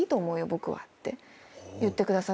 僕は」って言ってくださったんです。